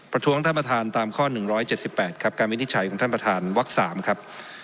ประทรวงท่านประธานตามข้อหนึ่งร้อยเจ็ดสิบแปดครับการวินิจฉัยของท่านประธานวักษ์๓ครับ